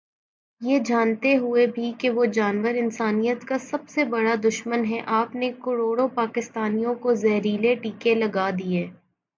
یہ جانتے ہوئے بھی کہ وہ جانور انسانیت کا سب سے بڑا دشمن ہے آپ نے کروڑوں پاکستانیوں کو زہریلے ٹیکے لگا دیے۔۔